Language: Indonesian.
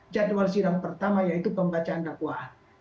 jadwal sidang pertama yaitu pembacaan dakwah